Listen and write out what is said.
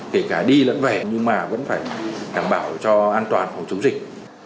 kể cả đi lẫn về nhưng mà vẫn phải đảm bảo cho an toàn phòng chống dịch